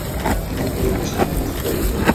কিন্তু আমাকে বলো মুকেশ, তুমি এ বিয়ে করবে কি করে?